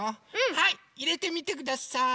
はいいれてみてください！